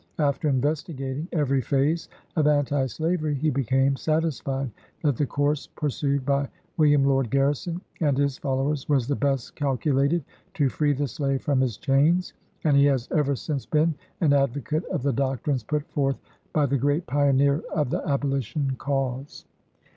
After investigating every phase of Anti Sla very, he became satisfied that the course pursued by Wm. Lloyd Garrison and his followers was the best calculated to free the slave from his chains, and he has ever since been an advocate of the doctrines put forth by the great pioneer of the Abolition cause.